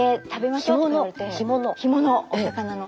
干物お魚の。